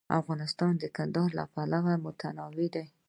افغانستان د کندهار له پلوه متنوع دی.